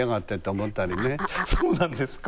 そうなんですか？